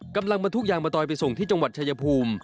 กำลังบรรทุกยางมะตอยไปส่งที่จังหวัดชายภูมิ